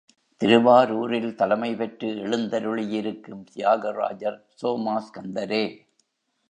திருவாரூரில் தலைமை பெற்று எழுந்தருளியிருக்கும் தியாகராஜர் சோமாஸ்கந்தரே.